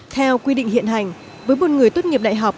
theo quy định hiện hành với một người tốt nghiệp đại học